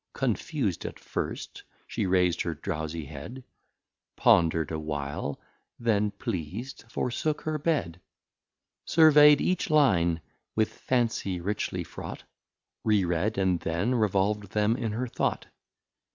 Confus'd at first, she rais'd her drowsie Head, Ponder'd a while, then pleas'd, forsook her Bed. Survey'd each Line with Fancy richly fraught, Re read, and then revolv'd them in her Thought.